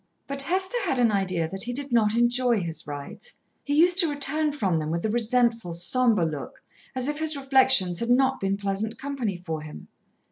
But Hester had an idea that he did not enjoy his rides. He used to return from them with a resentful, sombre look, as if his reflections had not been pleasant company for him.